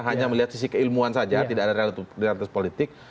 hanya melihat sisi keilmuan saja tidak ada realitas politik